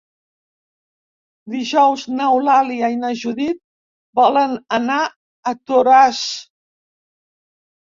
Dijous n'Eulàlia i na Judit volen anar a Toràs.